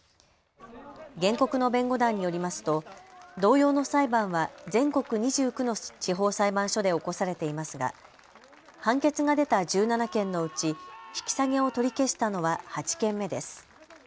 原告の弁護団によりますと同様の裁判は全国２９の地方裁判所で起こされていますが判決が出た１７件のうち引き下げを取り消したのは８件目です。